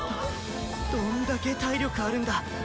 どんだけ体力あるんだ